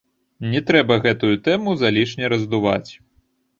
Не трэба гэтую тэму залішне раздуваць.